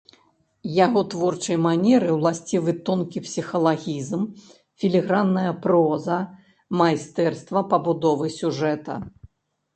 Яго творчай манеры ўласцівы тонкі псіхалагізм, філігранная проза, майстэрства пабудовы сюжэта.